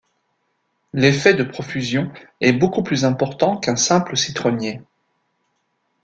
L'effet de profusion est beaucoup plus important qu'un simple citronnier.